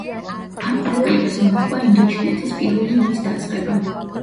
ამ ყოველივეს მოჰყვა ინდოჩინეთის პირველი ომის დაწყება.